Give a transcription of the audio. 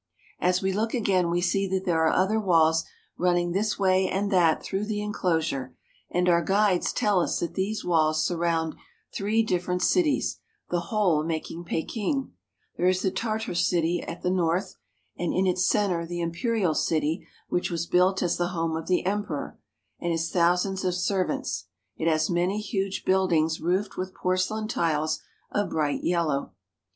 As we look again we see that there are other walls run ning this way and that through the inclosure, and our guides tell us that these walls surround three different cities, the whole making Peking. There is the Tartar city at the north, and in its center the Imperial City which was " We climb up into the tower for a view of Peking." built as the home of the Emperor and his thousands of servants ; it has many huge buildings roofed with porcelain tiles of bright yellow.